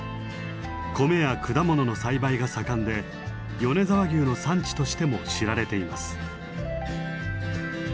米や果物の栽培が盛んで米沢牛の産地としても知られています。